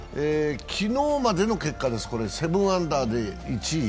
昨日までの結果です、７アンダーで１位。